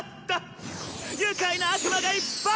愉快な悪魔がいっぱい！